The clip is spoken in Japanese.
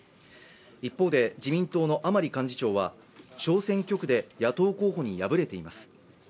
一方で自民党の甘利幹事長は小選挙区で野党候補に敗れています。